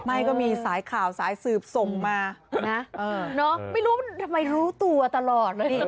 ไม่มีสายข่าวสายสืบส่งมานะไม่รู้มันทำไมรู้ตัวตลอดเลย